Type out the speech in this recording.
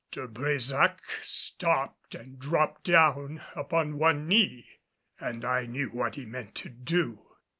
De Brésac stopped and dropped down upon one knee, and I knew what he meant to do.